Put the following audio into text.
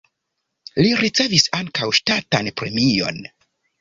Li ricevis ankaŭ ŝtatan premion.